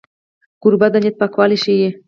کوربه د نیت پاکوالی ښيي.